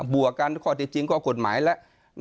วกกันข้อที่จริงข้อกฎหมายแล้ว